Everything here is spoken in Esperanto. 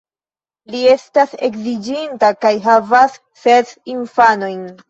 Li estas edziĝinta kaj havas ses infanojn.